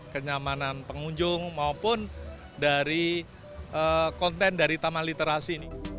kenyamanan pengunjung maupun dari konten dari taman literasi ini